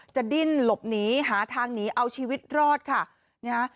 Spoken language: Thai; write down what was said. ดิ้นหลบหนีหาทางหนีเอาชีวิตรอดค่ะนะฮะ